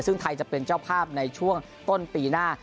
ซึ่งไทยจะเป็นเจ้าภาพในช่วงต้นปีหน้า